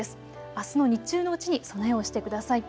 あすの日中のうちに備えをしてください。